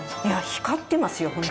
いや光ってますよ